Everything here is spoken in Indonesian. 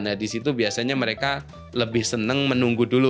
nah di situ biasanya mereka lebih senang menunggu dulu